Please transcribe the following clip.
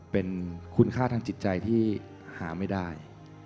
เป็นคุณค่าทางจิตใจที่หาไม่ได้